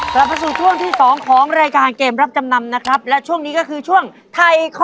กลับมาสู่ช่วงที่สองของรายการเกมรับจำนำนะครับและช่วงนี้ก็คือช่วงไทยข้อ